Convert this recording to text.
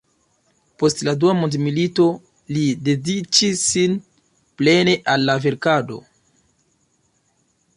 Post la Dua mondmilito li dediĉis sin plene al la verkado.